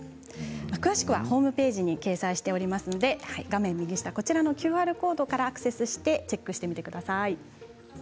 詳しくはホームページに掲載しておりますので画面右下のＱＲコードからアクセスしてチェックしてみてください。